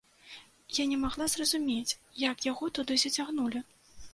Я не магла зразумець, як яго туды зацягнулі.